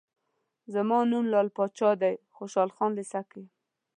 زما نوم لعل پاچا دی، خوشحال خان لېسه کې یم.